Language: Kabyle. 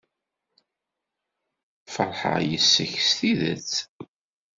Feṛḥeɣ yes-k s tidet.